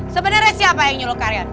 sebenarnya siapa yang nyuruh karyawan